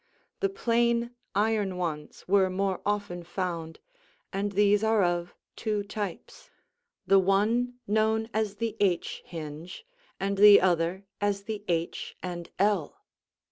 The plain iron ones were more often found, and these are of two types, the one known as the H hinge and the other as the H and L.